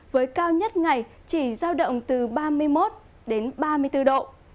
với cao nhất ngày chỉ giao động từ ba mươi một đến ba mươi bốn độ